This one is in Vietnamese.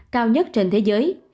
cao nhất trên thế giới